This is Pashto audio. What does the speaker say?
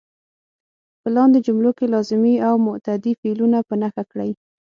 په لاندې جملو کې لازمي او متعدي فعلونه په نښه کړئ.